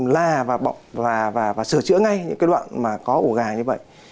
la và bọc và sửa chữa ngay những cái đoạn mà có ổ gà như vậy